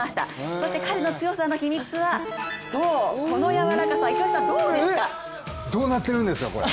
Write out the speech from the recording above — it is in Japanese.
そして彼の強さの秘密はそう、このやわらかさ。どうなってるんですか、これ？